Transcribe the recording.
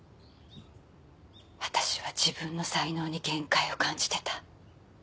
私は自分の才能に限界を感じてた。